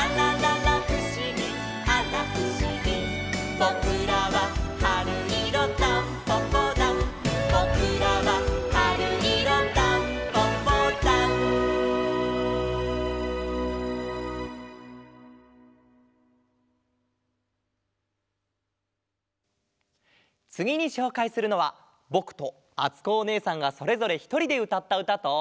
「ぼくらははるいろタンポポだん」「ぼくらははるいろタンポポだん」つぎにしょうかいするのはぼくとあつこおねえさんがそれぞれひとりでうたったうたと。